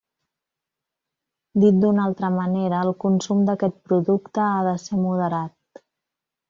Dit d'una altra manera, el consum d'aquest producte ha de ser moderat.